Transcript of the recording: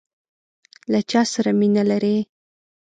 له چاسره مینه لرئ؟